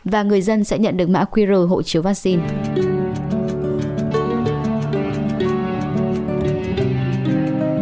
và người dân sẽ nhận được mã qr hộ chiếu vaccine